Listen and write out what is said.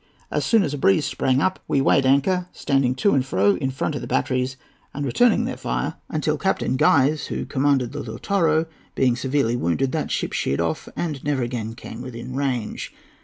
As soon as a breeze sprang up, we weighed anchor, standing to and fro in front of the batteries, and returning their fire, until Captain Guise, who commanded the Lautaro, being severely wounded, that ship sheered off and never again came within range.